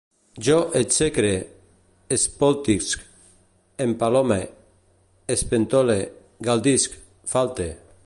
Jo execre, espoltisc, empalome, espentole, galdisc, falte